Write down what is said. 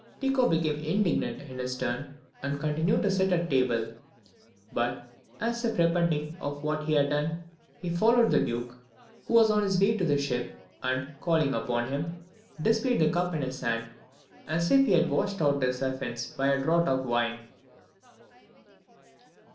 Tycho became indignant in his turn, and continued to sit at table; but, as if repenting of what he had done, he followed the Duke, who was on his way to the ship, and, calling upon him, displayed the cup in his hand, as if he had washed out his offence by a draught of wine.